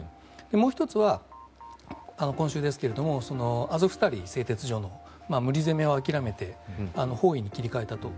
もう１つは今週、アゾフスタリ製鉄所の無理攻めを諦めて包囲に切り替えたと。